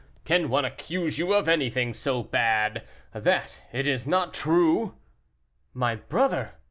Can one accuse you of anything so bad, that it is not true?" "My brother!"